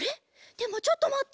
でもちょっとまって。